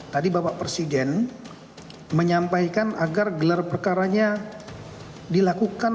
tadi bapak presiden menyampaikan agar gelar perkaranya dilakukan